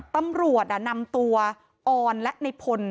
ตำรวจนำตัวออนและในพล